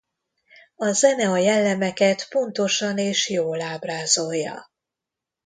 A zene a jellemeket pontosan és jól ábrázolja.